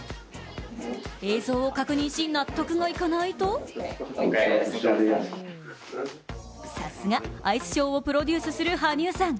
映像を確認し、納得がいかないとさすが、アイスショーをプロデュースする羽生さん。